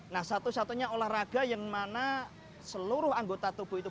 nah satu satunya olahraga yang mana seluruh anggota tubuh itu